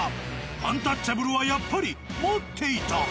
アンタッチャブルはやっぱり持っていた。